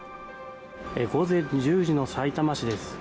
午前１０時のさいたま市です。